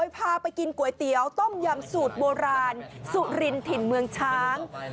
พาไปกินก๋วยเตี๋ยวต้มยำสูตรโบราณสุรินถิ่นเมืองช้าง